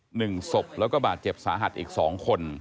หนึ่งศพแล้วก็บาดเจ็บสาหัสอีกสองคน